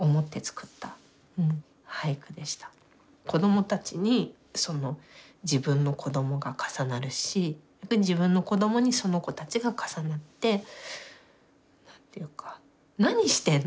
子供たちに自分の子供が重なるし自分の子供にその子たちが重なって何て言うか何してんの？